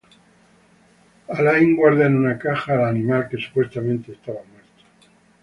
Alain guarda en una caja al animal, que supuestamente estaba muerto.